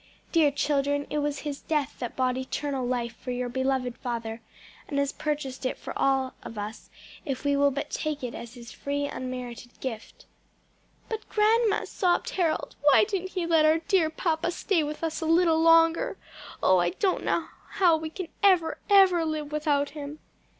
Dear children, it was His death that bought eternal life for your beloved father and has purchased it for us all if we will but take it as His free, unmerited gift." "But, grandma," sobbed Harold, "why didn't He let our dear papa stay with us a little longer? Oh I don't know how we can ever, ever live without him!"